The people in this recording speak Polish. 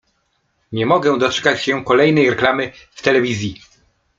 Nie mogę doczekać się kolejnej reklamy w telewizji.